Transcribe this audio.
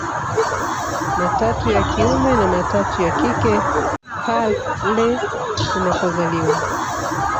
Matatu ya kiume na matatu ya kike pale unapozaliwa